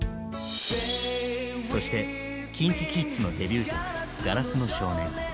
そしてＫｉｎＫｉＫｉｄｓのデビュー曲「硝子の少年」。